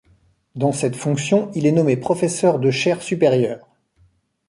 Dans cette fonction, il est nommé professeur de chaire supérieure.